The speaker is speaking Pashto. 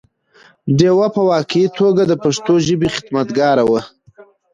ډيوه په واقعي توګه د پښتو ژبې خدمتګاره ده